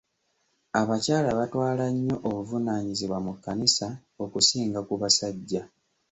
Abakyala batwala nnyo obuvunaanyizibwa mu kkanisa okusinga ku basajja.